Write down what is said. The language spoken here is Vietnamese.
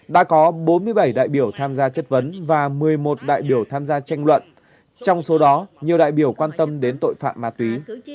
đã có bốn mươi bảy đại biểu tham gia chất vấn và một mươi một đại biểu tham gia tranh luận trong số đó nhiều đại biểu quan tâm đến tội phạm ma túy